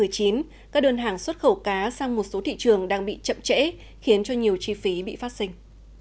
các đơn hàng xuất khẩu cá sang một số thị trường đang bị chậm trễ khiến cho nhiều chi phí bị phát sinh